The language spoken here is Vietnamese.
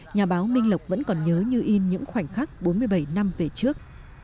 nhà báo minh lộc vẫn còn nhớ như in những khoảnh khắc bốn mươi bảy năm về trước